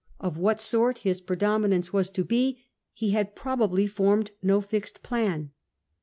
Of what sort his predominance was to be, he had probably formed no fixed plan.